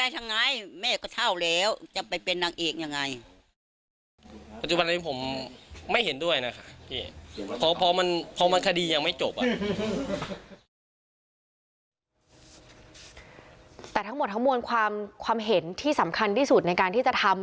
แต่ทั้งหมดทั้งมวลความเห็นที่สำคัญที่สุดในการที่จะทำ